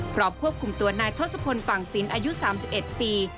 ควบคุมตัวนายทศพลฝั่งศิลป์อายุ๓๑ปี